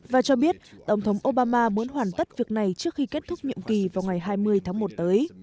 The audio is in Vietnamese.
và cho biết tổng thống obama muốn hoàn tất việc này trước khi kết thúc nhiệm kỳ vào ngày hai mươi tháng một tới